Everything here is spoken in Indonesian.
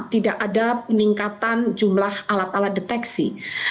tidak ada peningkatan jumlah alat alat deteksi